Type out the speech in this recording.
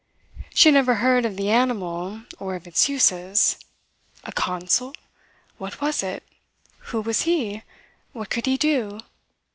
She had never heard of the animal or of its uses. A consul! What was it? Who was he? What could he do?